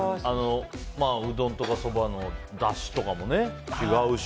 うどんとかそばのだしとかも違うし